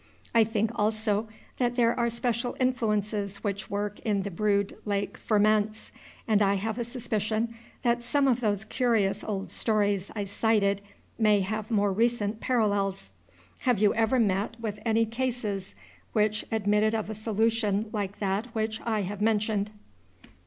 I think also that there are special influences which work in the brood lake ferments, and I have a suspicion that some of those curious old stories I cited may have more recent parallels. Have you ever met with any cases which admitted of a solution like that which I have mentioned?